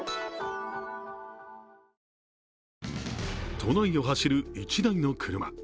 都内を走る１台の車。